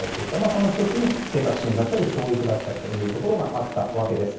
その１つに、生活支援だったり教育だったりというところがあったわけです。